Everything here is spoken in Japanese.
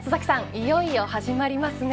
いよいよ始まりますね。